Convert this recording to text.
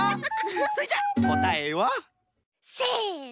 それじゃこたえは？せの。